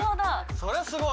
それはすごい。